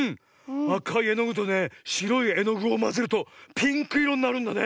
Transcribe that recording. あかいえのぐとねしろいえのぐをまぜるとピンクいろになるんだね。